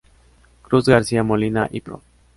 Cruz García Molina y Prof.